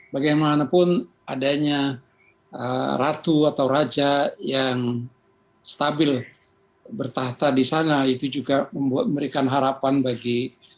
bagaimanapun adanya ratu atau raja yang stabil bertahta di sana itu juga memberikan harapan bagi